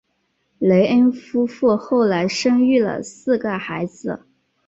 雷恩夫妇后来生育了四个孩子。